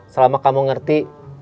selama kamu ngerti